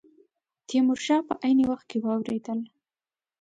تیمور شاه په عین وخت کې واورېدل.